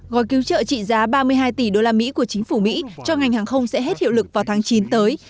gói cứu trợ trị giá ba mươi hai tỷ đô la mỹ của chính phủ mỹ cho ngành hàng không sẽ hết hiệu lực vào tháng chín tới